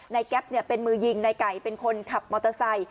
แก๊ปเป็นมือยิงนายไก่เป็นคนขับมอเตอร์ไซค